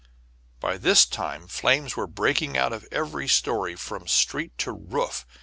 By this time flames were breaking out of every story from street to roof.